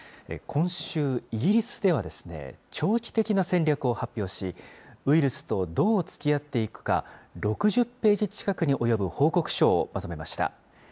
今週、イギリスでは、長期的な戦略を発表し、ウイルスとどうつきあっていくか、６０ページ近くに及ぶ報告書をまとめました。